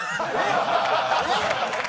えっ！